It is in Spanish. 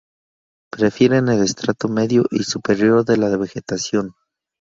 Prefieren el estrato medio y superior de la vegetación.